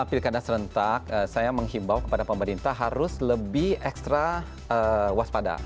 pilkada serentak saya menghimbau kepada pemerintah harus lebih ekstra waspada